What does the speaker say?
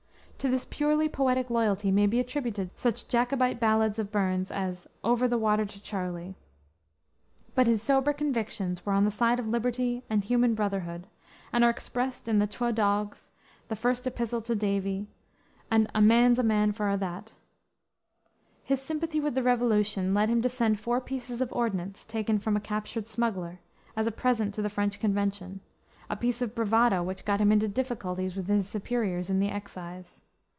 To this purely poetic loyalty may be attributed such Jacobite ballads of Burns as Over the Water to Charlie. But his sober convictions were on the side of liberty and human brotherhood, and are expressed in the Twa Dogs, the First Epistle to Davie, and A Man's a Man for a' that. His sympathy with the Revolution led him to send four pieces of ordnance, taken from a captured smuggler, as a present to the French Convention, a piece of bravado which got him into difficulties with his superiors in the excise.